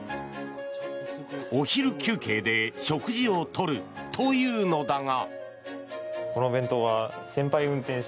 お昼休憩で食事を取るというのだが。